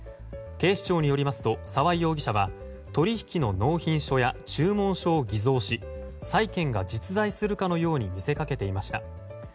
警視庁によりますと沢井容疑者は取引の納品書や注文書を偽造し債権が実在するかのように見せかけていました。